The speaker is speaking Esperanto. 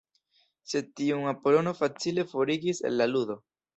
Sed tiun Apolono facile forigis el la ludo.